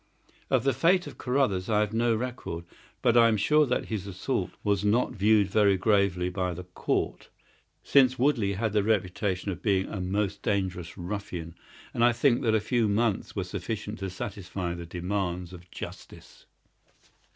Of the fate of Carruthers I have no record, but I am sure that his assault was not viewed very gravely by the Court, since Woodley had the reputation of being a most dangerous ruffian, and I think that a few months were sufficient to satisfy the demands of justice.